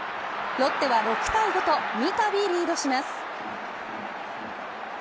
ロッテは６対５と三度リードします。